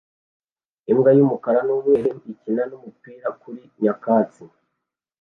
Imbwa y'umukara n'umweru ikina n'umupira kuri nyakatsi